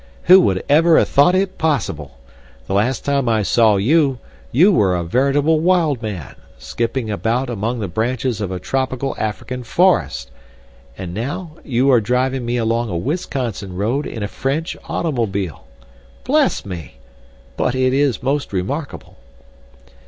"Who would ever have thought it possible! The last time I saw you you were a veritable wild man, skipping about among the branches of a tropical African forest, and now you are driving me along a Wisconsin road in a French automobile. Bless me! But it is most remarkable."